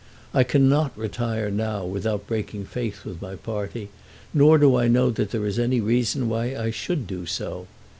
I cannot retire now without breaking faith with my party, nor do I know that there is any reason why I should do so.